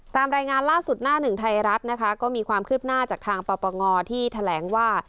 ตามรายงานล่าสุดหน้าหนึ่งไทยรัฐนะคะก็มีความคืบหน้าจากทางปปงที่แถลงว่า